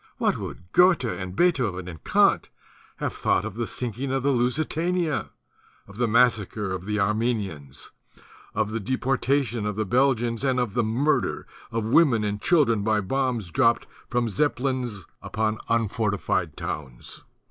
What would Goethe and Beethoven and Kant have thought of the sinking of the "Lusitania," of the massacre of the Armenians, of the deportation of the Belgians and of the murder of women and children by bombs dropt from Zeppelins upon unfortified towns?